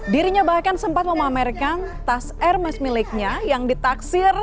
dirinya bahkan sempat memamerkan tas ermes miliknya yang ditaksir